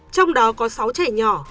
trong đó có sáu trẻ nhỏ